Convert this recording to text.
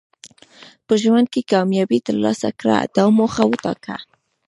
په ژوند کې کامیابي ترلاسه کړه دا موخه وټاکه.